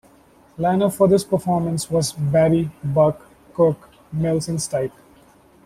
Line-up for this performance was Berry, Buck, Cook, Mills and Stipe.